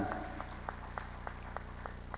sebagai mana yang kita lakukan